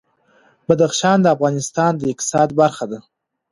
بدخشان د افغانستان د اقتصاد برخه ده.